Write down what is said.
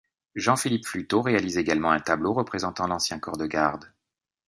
Jean-Philipe Fluteau réalise également un tableau représentant l'ancien corps de garde.